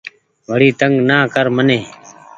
وڙي تنگ نا ڪر مني